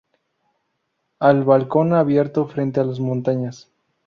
Al balcón abierto frente a las montañas.